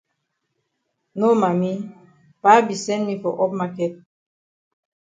No Mami, Pa be send me for up maket.